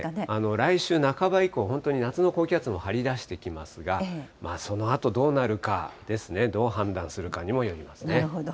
来週半ば以降、本当に夏の高気圧も張り出してきますが、そのあとどうなるかですね、どう判断するかにもよりますね。